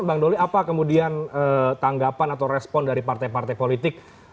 bang doli apa kemudian tanggapan atau respon dari partai partai politik